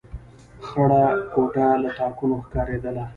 خړه کوټه له تاکونو ښکارېدله.